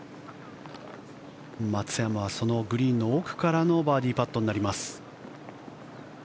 松山はそのグリーンの奥からのバーディーパットになります。